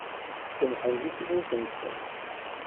Semmḥen di tmurt-nsen.